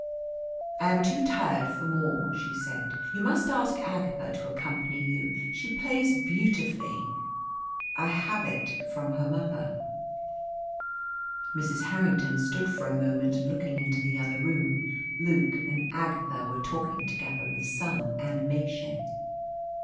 "I am too tired for more," she said. "You must ask Agatha to accompany you. She plays beautifully. I have it from her mother!" Mrs. Harrington stood for a moment looking into the other room. Luke and Agatha were talking together with some animation.